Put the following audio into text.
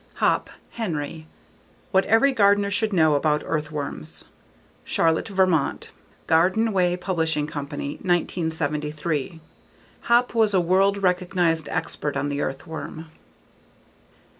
Hopp, Henry. _What Every Gardener Should Know About Earthworms. _Charlotte, Vermont: Garden Way Publishing Company, 1973. Hopp was a world recognized expert on the earthworm.